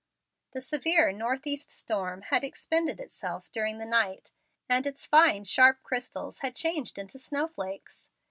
The severe north east storm had expended itself during the night, and its fine, sharp crystals had changed into snowflakes.